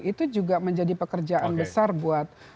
itu juga menjadi pekerjaan besar buat